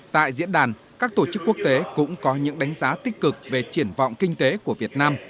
tại diễn đàn các tổ chức quốc tế cũng có những đánh giá tích cực về triển vọng kinh tế của việt nam